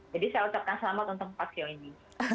jadi saya ucapkan selamat untuk empat ceo ini